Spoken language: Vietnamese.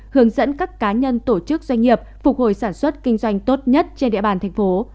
hướng dẫn các cá nhân tổ chức doanh nghiệp phục hồi sản xuất kinh doanh tốt nhất trên địa bàn thành phố